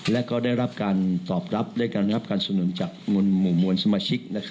และก็ได้รับการตอบรับด้วยการได้รับการสนุนจากหมู่มวลสมาชิก